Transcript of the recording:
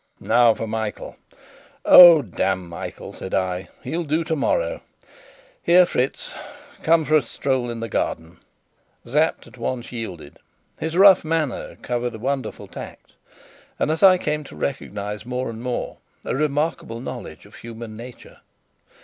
Now for Michael!" "Oh, damn Michael!" said I. "He'll do tomorrow. Here, Fritz, come for a stroll in the garden." Sapt at once yielded. His rough manner covered a wonderful tact and as I came to recognize more and more, a remarkable knowledge of human nature.